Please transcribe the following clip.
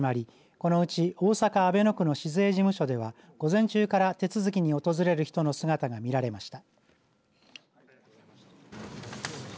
このうち大阪阿倍野区の市税事務所では午前中から手続きに訪れる人の姿が見られました。